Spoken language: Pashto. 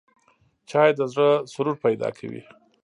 چای د زړه سرور پیدا کوي